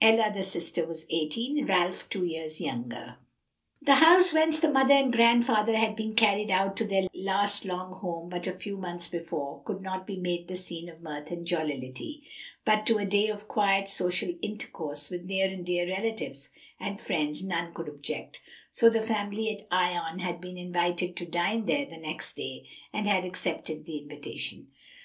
Ella, the sister, was eighteen; Ralph two years younger. The house whence the mother and grandfather had been carried out to their last long home but a few months before, could not be made the scene of mirth and jollity, but to a day of quiet social intercourse with near and dear relatives and friends none could object; so the family at Ion had been invited to dine there the next day, and had accepted the invitation.